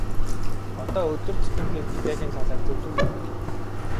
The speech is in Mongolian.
Одоо өдөр тутам хийх бүтээлийн талаар зөвлөмж өгье.